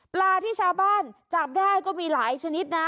ปลาที่ชาวบ้านจับได้ก็มีหลายชนิดนะ